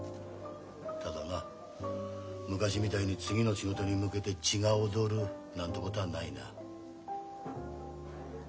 ただな昔みたいに次の仕事に向けて血が躍るなんてことはないな。